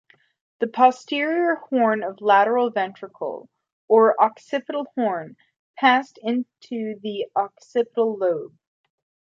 The posterior horn of lateral ventricle or "occipital horn", passes into the occipital lobe.